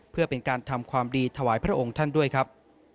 เพื่อเป็นการทำความดีถวายพระองค์ท่านด้วยครับ